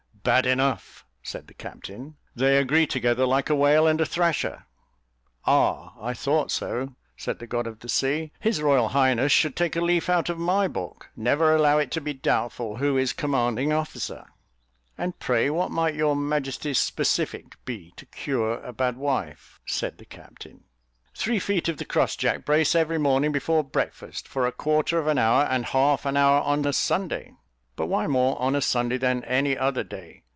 "Bad enough," said the captain; "they agree together like a whale and a thrasher." "Ah! I thought so," said the god of the sea. "His royal highness should take a leaf out of my book: never allow it to be doubtful who is commanding officer." "And pray what might your majesty's specific be, to cure a bad wife?" said the captain. "Three feet of the cross jack brace every morning before breakfast, for a quarter of an hour, and half an hour on a Sunday." "But why more on a Sunday than any other day?"